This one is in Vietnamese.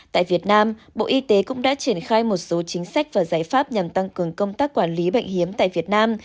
tại việt nam bộ y tế cũng đã triển khai một số chính sách và giải pháp nhằm tăng cường công tác quản lý bệnh hiếm tại việt nam